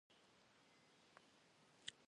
Cate yixam xuedeş.